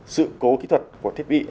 sự cố kỹ thuật của thiết bị